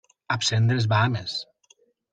Absent de les Bahames.